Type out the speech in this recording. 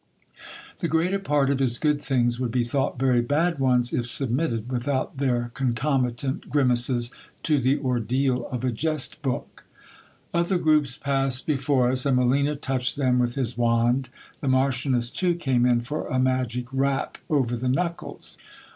The greater part of his good things would be thought very bad ones, if submitted, without their concomitant grimaces, to the ordeal of a jest book. 154 GIL BIAS. 1 Other groups passed before us, and Molina touched them with his wand. The marchioness too came in for a magic rap over the knuckles.